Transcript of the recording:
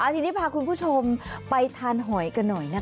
ทีนี้พาคุณผู้ชมไปทานหอยกันหน่อยนะคะ